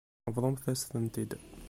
Bḍumt-as-tent-id.